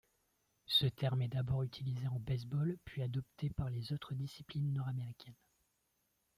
Ce terme est d'abord utilisé en baseball puis adopté par les autres disciplines nord-américaines.